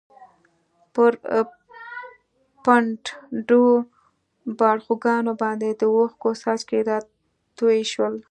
پر پڼډو باړخوګانو باندې د اوښکو څاڅکي راتوی شول.